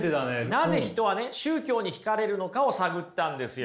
なぜ人は宗教に引かれるのかを探ったんですよ。